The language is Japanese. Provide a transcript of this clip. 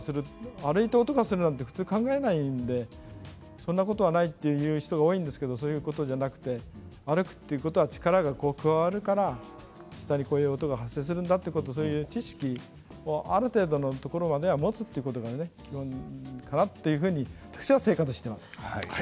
歩いて音がするって普通、考えないのでそんなことはないという人はいるんですがそういうことではなく歩くということは力が加わるから下に音が発生するんだという知識ある程度のところまで持つということが基本かなというふうに私は思います。